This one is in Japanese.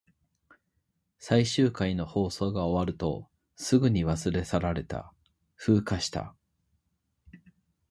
最終回の放送が終わると、すぐに忘れ去られた。風化した。